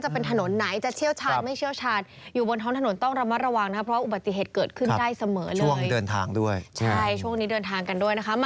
ผมดูภาพนี้ไว้ไม่ค่อย